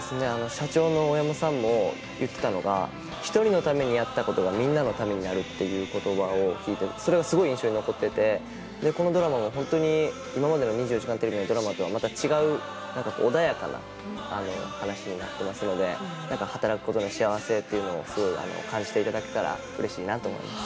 社長の大山さんも言ってたのが、１人のためにやったことが、みんなのためになるっていうことばを聞いて、それがすごい印象に残ってて、このドラマは本当に今までの２４時間テレビのドラマとは違う、なんか穏やかな話になってますので、なんか働くことの幸せっていうのをすごい感じていただけたらうれしいなと思います。